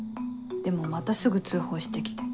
でもまたすぐ通報して来て。